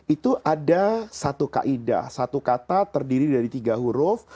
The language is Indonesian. itu ada satu kaidah satu kata terdiri dari tiga huruf